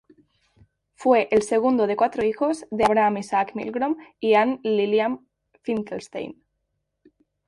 Fue el segundo de cuatro hijos de Abraham Isaac Milgrom y Anne Lillian Finkelstein.